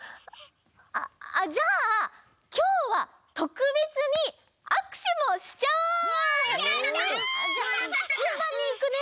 あじゃあきょうはとくべつにあくしゅもしちゃおう！やった！じゃあじゅんばんにいくね！